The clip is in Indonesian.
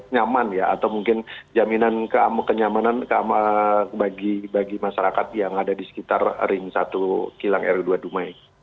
nyaman ya atau mungkin jaminan kenyamanan bagi masyarakat yang ada di sekitar ring satu kilang ru dua dumai